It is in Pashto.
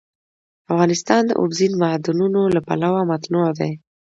افغانستان د اوبزین معدنونه له پلوه متنوع دی.